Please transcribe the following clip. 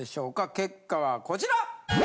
結果はこちら！